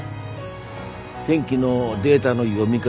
天気のデータの読み方